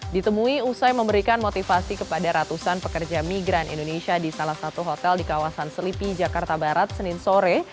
ditemui usai memberikan motivasi kepada ratusan pekerja migran indonesia di salah satu hotel di kawasan selipi jakarta barat senin sore